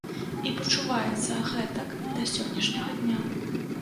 І пачуваюцца гэтак да сённяшняга дня.